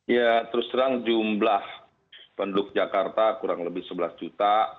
ya terus terang jumlah penduduk jakarta kurang lebih sebelas juta